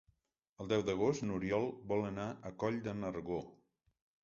El deu d'agost n'Oriol vol anar a Coll de Nargó.